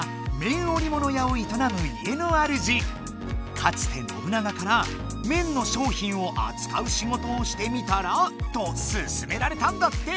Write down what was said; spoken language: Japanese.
かつて信長から「綿の商品をあつかう仕事をしてみたら？」とすすめられたんだって。